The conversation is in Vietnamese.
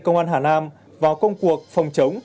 công an hà nam vào công cuộc phòng chống